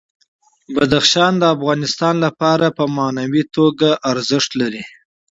بدخشان د افغانانو لپاره په معنوي لحاظ ارزښت لري.